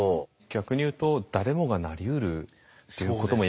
逆に言うと誰もがなりうるっていうことも言えますか？